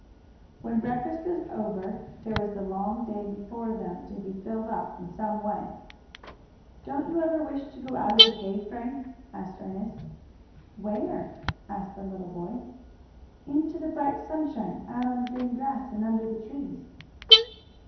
When breakfast was over there was the long day before them to be filled up in some way. "Don't you ever wish to go out of the cave, Frank?" asked Ernest. "Where?" asked the little boy. "Into the bright sunshine, out on the green grass and under the trees."